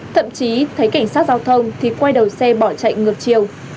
thậm chí thấy cảnh sát giao thông thì quay đầu xe bỏ chạy ngược chiều